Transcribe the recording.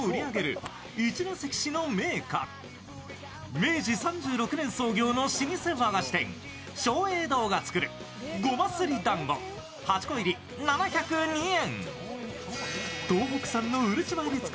明治３６年創業の老舗和菓子店松栄堂が作るごま摺り團子８個入り７０２円。